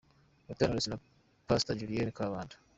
Butera Knowless na Pastor Julienne Kabanda.